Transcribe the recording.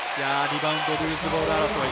リバウンドルーズボール争い。